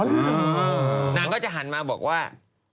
นางก็จะหันมาบอกว่า